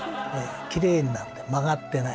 キレイになって曲がってない。